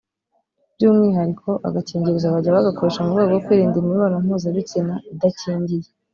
by’umwihariko agakingirizo bajya bakoresha mu rwego rwo kwirinda imibonano mpuzabitsina idakingiye